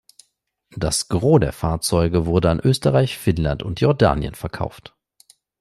Das Gros der Fahrzeuge wurde an Österreich, Finnland und Jordanien verkauft.